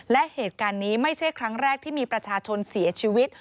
และเหตุการณ์นี้ไม่ใช่ครั้งแรกที่มีประชาชนเสียชีวิต